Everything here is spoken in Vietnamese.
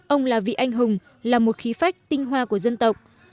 ông là vị anh hùng là một khí phách tinh hoa của dân tộc